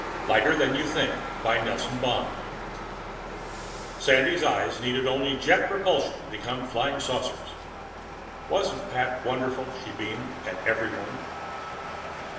lighter than you think by NELSON BOND Sandy's eyes needed only jet propulsion to become flying saucers. Wasn't Pat wonderful? she beamed, at everyone.